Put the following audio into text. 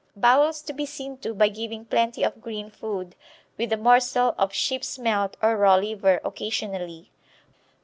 Bowels to be seen to by giving plenty of green food, with a morsel of sheep's melt or raw liver occasionally.